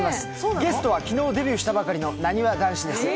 ゲストは昨日、デビューしたばかりのなにわ男子です。